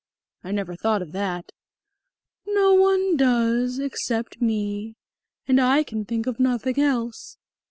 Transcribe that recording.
"I never thought of that." "No one does, except me. And I can think of nothing else."